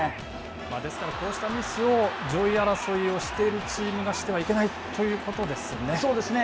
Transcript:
ですから、こうしたミスを上位争いをしているチームがしてはいそうですね。